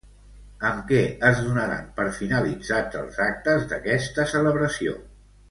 Amb què es donaran per finalitzats els actes d'aquesta celebració?